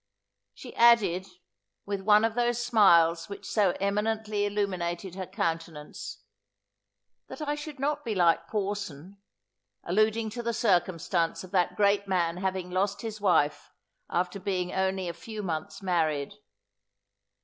She added, with one of those smiles which so eminently illuminated her countenance, "that I should not be like Porson," alluding to the circumstance of that great man having lost his wife, after being only a few months married.